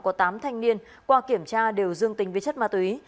có tám thanh niên qua kiểm tra đều dương tính với chất ma túy